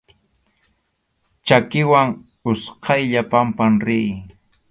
Chakiwan utqaylla pampan riy.